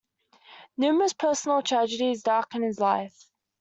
Numerous personal tragedies darkened his life.